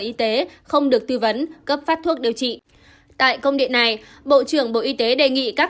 y tế không được tư vấn cấp phát thuốc điều trị tại công điện này bộ trưởng bộ y tế đề nghị các